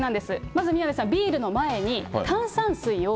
まず宮根さん、ビールの前に、炭酸水を。